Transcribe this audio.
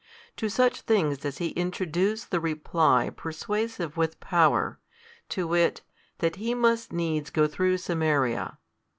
To such things does he introduce the reply persuasive with power, to wit, that He must needs go through Samaria.